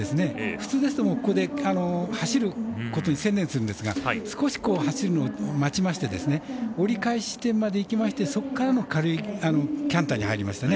普通ですと、ここで走ることに専念するんですが少し走るの待ちまして折り返し地点までいきましてそこからの軽いキャンターに入りますね。